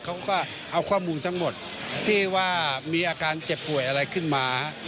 เขาก็เอาข้อมูลทั้งหมดที่ว่ามีอาการเจ็บป่วยอะไรขึ้นมา